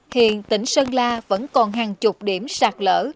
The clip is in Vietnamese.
hiện tỉnh sơn la vẫn còn hàng chục điểm sạt lỡ